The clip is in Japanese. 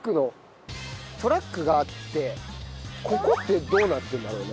トラックがあってここってどうなってるんだろうね？